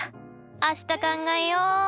明日考えよう！